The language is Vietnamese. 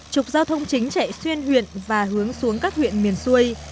trục giao thông chính chạy xuyên huyện và hướng xuống các huyện miền xuôi